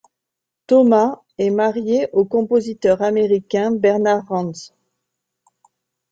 Thomas est mariée au compositeur américain Bernard Rands.